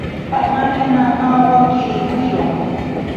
Pamakena mawa kiriwiro.